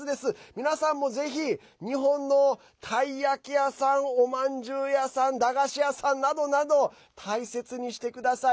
皆さんもぜひ、日本のたいやき屋さんおまんじゅう屋さん駄菓子屋さんなどなど大切にしてください。